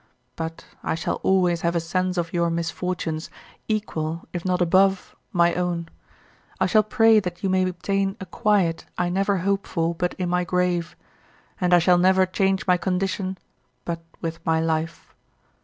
But I shall always have a sense of your misfortunes, equal, if not above, my own. I shall pray that you may obtain a quiet I never hope for but in my grave, and I shall never change my condition but with my life.